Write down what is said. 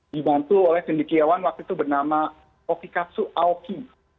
dibantu oleh pendikiawan waktu itu bernama okikatsu aoki